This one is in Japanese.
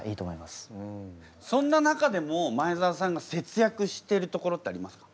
そんな中でも前澤さんが節約してるところってありますか？